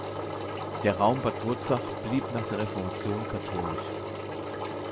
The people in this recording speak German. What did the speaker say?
Der Raum Bad Wurzach blieb nach der Reformation katholisch.